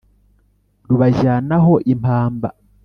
rubajyanaho impamba